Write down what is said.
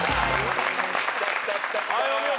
お見事。